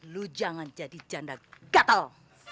lu jangan jadi janda gatal